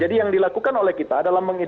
jadi yang dilakukan oleh kita adalah mengidolasi